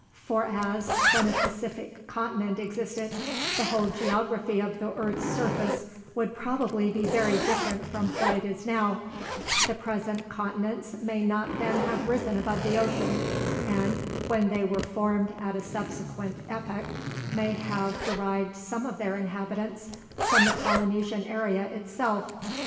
For as, when a Pacific continent existed, the whole geography of the earth's surface would probably be very different from what it now is, the present continents may not then have risen above the ocean, and, when they were formed at a subsequent epoch, may have derived some of their inhabitants from the Polynesian area itself.